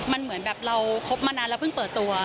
มันเหมือนแบบเราคบมานานแล้วเพิ่งเปิดตัว